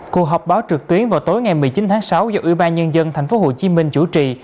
cuộc họp báo trực tuyến vào tối ngày một mươi chín tháng sáu do ủy ban nhân dân tp hcm chủ trì